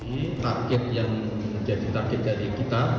ini target yang menjadi target dari kita